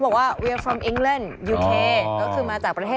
กินขออาหาร